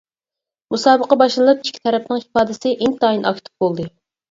مۇسابىقە باشلىنىپ ئىككى تەرەپنىڭ ئىپادىسى ئىنتايىن ئاكتىپ بولدى.